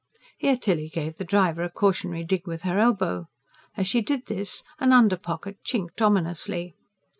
Here Tilly gave the driver a cautionary dig with her elbow; as she did this, an under pocket chinked ominously.